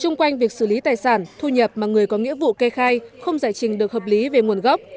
trung quanh việc xử lý tài sản thu nhập mà người có nghĩa vụ kê khai không giải trình được hợp lý về nguồn gốc